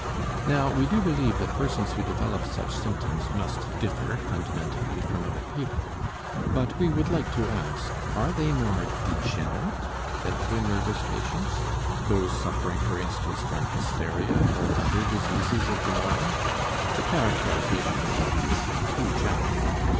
Now we do believe that persons who develop such symptoms must differ fundamentally from other people. But we would like to ask, are they more "degenerate" than other nervous patients, those suffering, for instance, from hysteria or other diseases of the mind? The characterization is obviously too general.